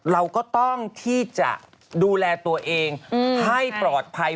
เราก็ต้องที่จะดูแลตัวเองให้ปลอดภัย